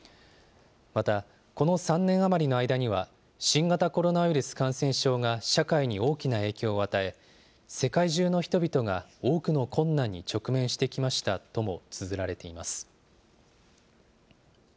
またこの３年余りの間には、新型コロナウイルス感染症が社会に大きな影響を与え、世界中の人々が多くの困難に直面してきましたともつづられています。